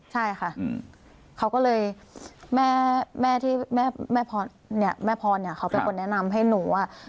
ใช่ค่ะเขาก็เลยแม่พรเขาไปกดแนะนำให้หนู